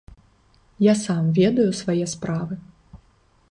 Я сам ведаю свае справы.